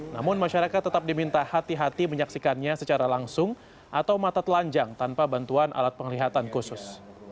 namun masyarakat tetap diminta hati hati menyaksikannya secara langsung atau mata telanjang tanpa bantuan alat penglihatan khusus